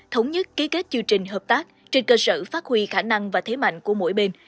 thống nhất ký kết chương trình hợp tác trên cơ sở phát huy khả năng và thế mạnh của mỗi bên